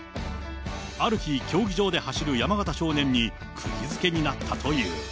ある日、競技場で走る山縣少年にくぎ付けになったという。